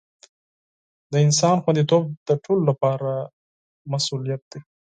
د انسانیت خوندیتوب د ټولو لپاره مسؤولیت دی.